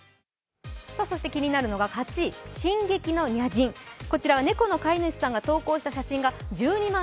気になるのが８位、進撃のニャ人、こちらは猫の飼い主さんが投稿した写真が１２万